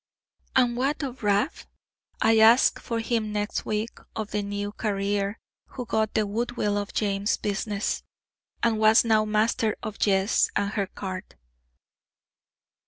And what of Rab? I asked for him next week of the new carrier who got the goodwill of James's business, and was now master of Jess and her cart.